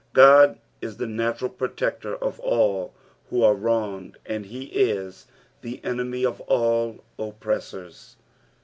Qod is the natuml Protector of all who are wronged, and lie ii the enemy of all oppressors.